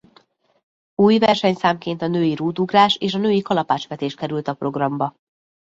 Új versenyszámként a női rúdugrás és a női kalapácsvetés került a programba.